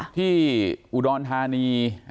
ที่ที่อุดอนธานี